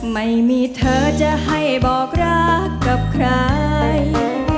ไม่มีเธอจะให้บอกรักกับใคร